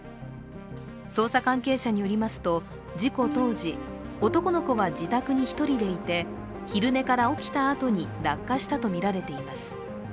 捜査関係者によりますと、事故当時男の子は自宅に１人でいて、昼寝から起きたあとに落下したとみられています。